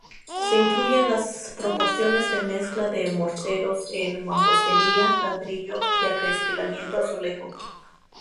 Se incluyen las proporciones de mezcla de morteros en mampostería, ladrillo y acristalamiento azulejo.